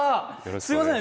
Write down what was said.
すいません。